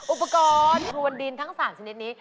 อุปกรณ์ควนดินทั้ง๓ชนิดนี้